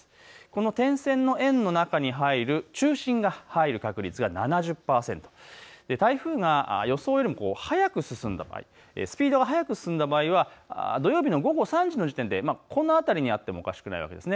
この点線の円の中に入る、中心が入る確率が７０％、台風が予想よりも速く進んだ場合、スピードが速く進んだ場合には土曜日の午後３時の時点でこの辺りにあってもおかしくないわけです。